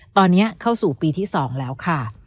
ตอนนี้เข้าสู่ปีที่๒แล้วค่ะ